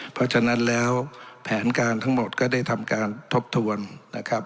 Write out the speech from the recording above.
เพราะฉะนั้นแล้วแผนการทั้งหมดก็ได้ทำการทบทวนนะครับ